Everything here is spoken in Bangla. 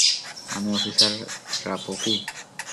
আমি, অফিসার ক্রাপকি?